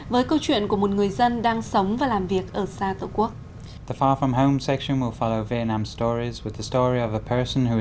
với câu chuyện của một người dân đang sống và làm việc ở xa tổ quốc